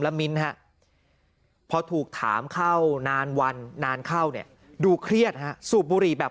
มิ้นฮะพอถูกถามเข้านานวันนานเข้าเนี่ยดูเครียดฮะสูบบุหรี่แบบ